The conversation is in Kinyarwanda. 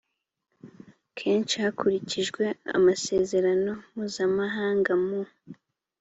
kenshi hakurikijwe amasezerano mpuzamahanga mu